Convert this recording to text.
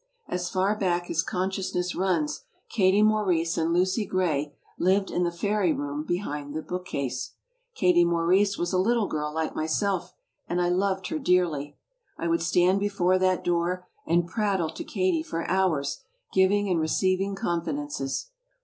As far back as con sciousness runs, Katie Maurice and Lucy Gray lived in the fairy room behind the bookcase. Karie Maurice was a litde girl like myself, and I loved her dearly. I would stand before that door and pratde to Kade for hours, giving and receiv ing confidences.